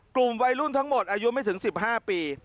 กลุ่มวัยรุ่นทั้งหมดอายุไม่ถึง๑๕ปี